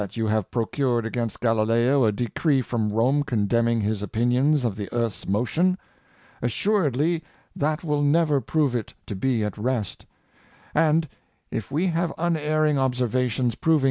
you have procured against Galileo a decree from Rome condemning his opinions of the earth's motion. As suredly that will never prove it to be at rest; and if we have unerring observations proving t?